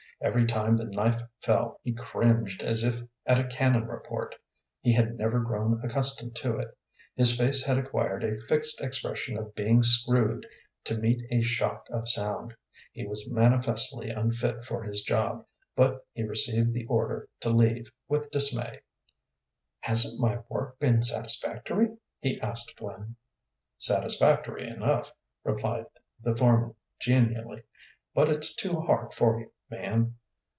Every time the knife fell he cringed as if at a cannon report. He had never grown accustomed to it. His face had acquired a fixed expression of being screwed to meet a shock of sound. He was manifestly unfit for his job, but he received the order to leave with dismay. "Hasn't my work been satisfactory?" he asked Flynn. "Satisfactory enough," replied the foreman, genially, "but it's too hard for you, man."